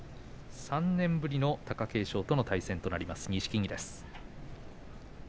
３年ぶりの貴景勝と錦木の対戦となります。